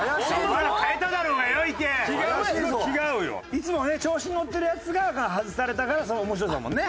いつもね調子に乗ってるヤツが外されたからその面白さだもんね。